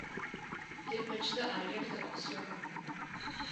They pitched the idea to the Oslo Company.